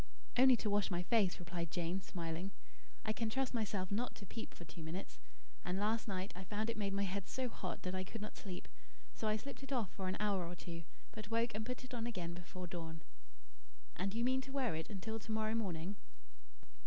"Only to wash my face," replied Jane, smiling. "I can trust myself not to peep for two minutes. And last night I found it made my head so hot that I could not sleep; so I slipped it off for an hour or two, but woke and put it on again before dawn." "And you mean to wear it until to morrow morning?"